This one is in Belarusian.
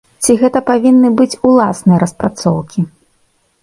Ці гэта павінны быць уласныя распрацоўкі?